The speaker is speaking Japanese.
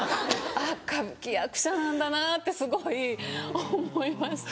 あっ歌舞伎役者なんだなってすごい思いました。